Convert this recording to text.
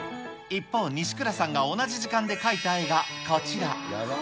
一方、西倉さんが同じ時間で描いた絵が、こちら。